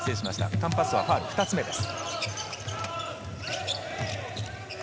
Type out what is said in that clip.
カンパッソはファウル２つ目です。